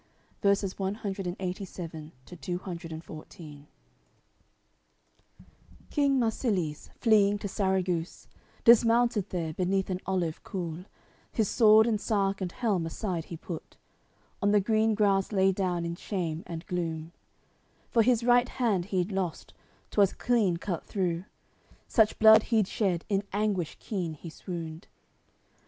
Charles slept on till the clear dawn of day. CLXXXVII King Marsilies, fleeing to Sarraguce, Dismounted there beneath an olive cool; His sword and sark and helm aside he put, On the green grass lay down in shame and gloom; For his right hand he'd lost, 'twas clean cut through; Such blood he'd shed, in anguish keen he swooned.